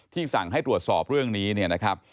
ที่สั่งให้ตรวจสอบเรื่องนี้นะครับ